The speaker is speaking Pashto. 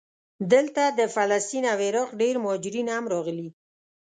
دلته د فلسطین او عراق ډېر مهاجرین هم راغلي.